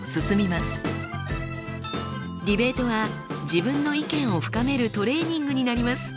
ディベートは自分の意見を深めるトレーニングになります。